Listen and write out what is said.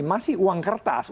masih uang kertas